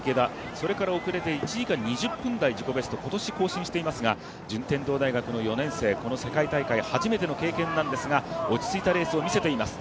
それから遅れて１時間２０分台自己ベスト、今年更新していますが、順天堂大学４年生、この世界陸上初めての経験なんですが落ち着いたレースを見せています。